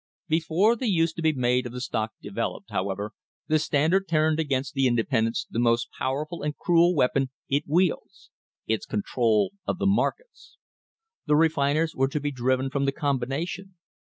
Before the use to be made of the stock developed, how ever, the Standard turned against the independents the most powerful and cruel weapon it wields its control of the markets. The refiners were to be driven from the combina tion.